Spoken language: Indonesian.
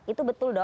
itu betul dok